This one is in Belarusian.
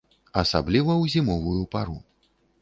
Асабліва ў зімовую пару.